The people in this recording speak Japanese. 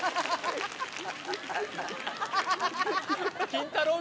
キンタロー。